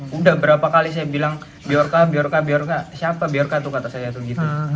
beberapa kali saya bilang biorka biorka biorka siapa biorka tuh kata saya tuh gitu